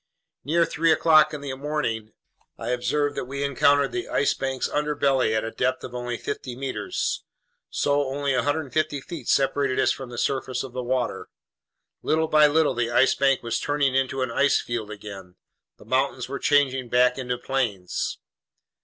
Near three o'clock in the morning, I observed that we encountered the Ice Bank's underbelly at a depth of only fifty meters. So only 150 feet separated us from the surface of the water. Little by little the Ice Bank was turning into an ice field again. The mountains were changing back into plains.